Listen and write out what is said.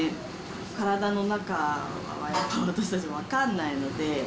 体の中は、私たちも分かんないので。